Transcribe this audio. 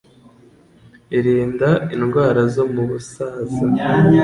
Irinda indwara zo mu busaza